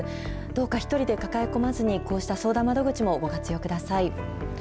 どうか１人で抱え込まずに、こうした相談窓口もご活用ください。